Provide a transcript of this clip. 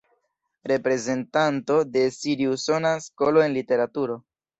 Reprezentanto de siri-usona skolo en literaturo.